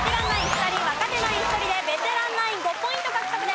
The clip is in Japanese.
２人若手ナイン１人でベテランナイン５ポイント獲得です。